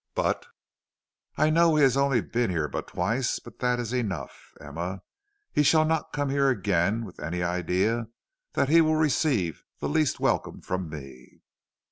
"'But ' "'I know he has only been here but twice; but that is enough, Emma; he shall not come here again with any idea that he will receive the least welcome from me.'